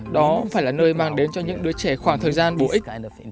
đó phải là nơi mang đến cho những đứa trẻ khoảng thời gian bổ ích